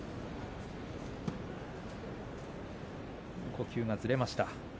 呼吸がずれました。